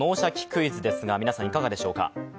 クイズ」ですが、皆さんいかがでしょうか。